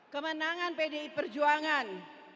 kemenangan pdi perjuangan